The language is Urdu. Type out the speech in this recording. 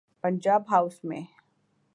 پنجاب ہاؤس میں۔